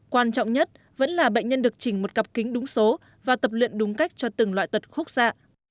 quan trọng nhất vẫn là bệnh nhân được chỉnh một cặp kính đúng số và tập luyện đúng cách cho từng loại tật khúc xạ